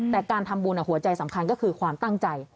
แต่การทำบุญหัวใจสำคัญก็คือความตั้งใจ